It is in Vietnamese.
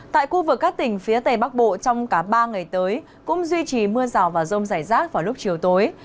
tại khu vực các tỉnh phía tề bắc bộ trong cả ba ngày tới cũng duy trì mưa rào vào rông dày rác vào lúc chiều tối